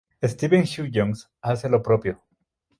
Stephen Hugh-Jones hace lo propio.